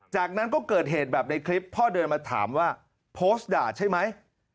จากนั้นก็เกิดเหตุแบบในคลิปพ่อเดินมาถามว่าโพสต์ด่าใช่ไหม